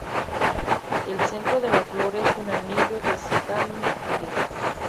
El centro de la flor es un anillo de estambres.